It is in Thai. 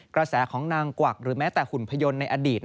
กระแสของนางกวักหรือแม้แต่หุ่นพยนต์ในอดีต